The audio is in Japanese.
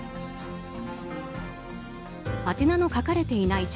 宛名の書かれていない茶